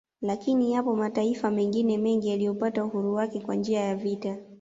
Lakini yapo mataifa mengine mengi yaliyopata uhuru wake kwa njia ya vita